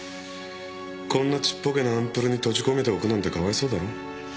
こんなちっぽけなアンプルに閉じ込めておくなんてかわいそうだろ？